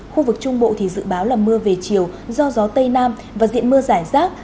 khu vực trung bộ thì dự báo là mưa về chiều do gió tây nam và diện mưa giải rác